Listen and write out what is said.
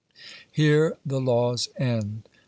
Here the Laws end.